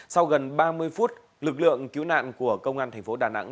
sau gần ba mươi phút lực lượng cứu nạn của công an thành phố đà nẵng